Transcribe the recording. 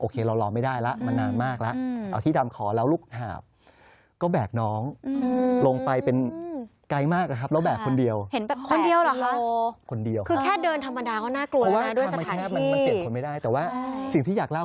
คือแค่เดินธรรมดาก็น่ากลัวด้วยสถานชายมันเปลี่ยนคนไม่ได้แต่ว่าซึ่งที่อยากเล่า